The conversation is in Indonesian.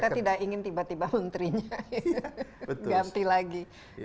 kita tidak ingin tiba tiba menterinya ganti lagi